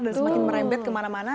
dan semakin merebet kemana mana